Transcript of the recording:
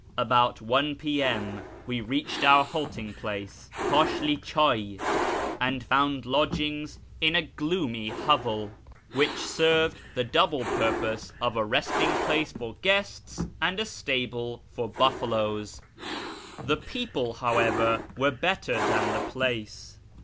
About 1 P.M. we reached our halting place, Tashli Chay, and found lodgings in a gloomy hovel, which served the double 42 A YEAR AMONGST THE PERSIANS purpose of a rostiiig ]>lacc for guests and a stable for buffaloes. The people, however, were better than the place.